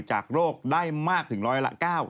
จากโรคได้มากถึงร้อยละ๙